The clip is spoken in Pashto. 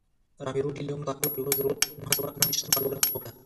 رامیرو ډي لیون کارپیو په یوه زرو نهه سوه نهه ویشتم کال لوړه وکړه.